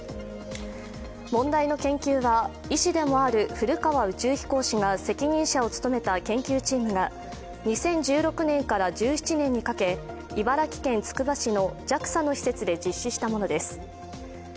問題の研究は医師でもある古川宇宙飛行士が責任者を務めた研究チームが２０１６年から１７年にかけ茨城県つくば市のＪＡＸＡの施設で実施したものです。